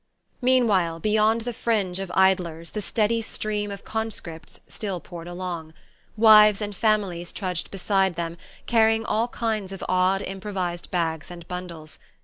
Meanwhile, beyond the fringe of idlers the steady stream of conscripts still poured along. Wives and families trudged beside them, carrying all kinds of odd improvised bags and bundles.